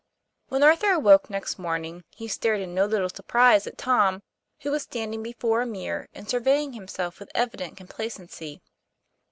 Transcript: WHEN Arthur awoke next morning, he stared in no little surprise at Tom, who was standing before a mirror and surveying himself with evident complacency.